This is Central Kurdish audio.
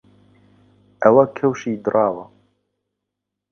ئەوە کەوشی دڕاوە